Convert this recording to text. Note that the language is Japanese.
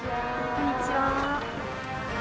こんにちは。